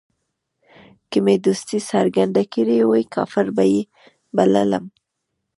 که مې دوستي څرګنده کړې وای کافر به یې بللم.